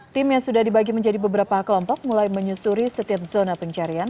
tim yang sudah dibagi menjadi beberapa kelompok mulai menyusuri setiap zona pencarian